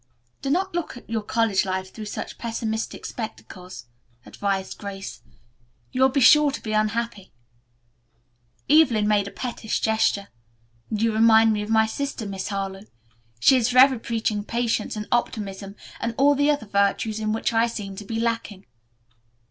"Do not look at your college life through such pessimistic spectacles," advised Grace. "You will be sure to be unhappy." Evelyn made a pettish gesture. "You remind me of my sister, Miss Harlowe. She is forever preaching patience and optimism and all the other virtues in which I seem to be lacking."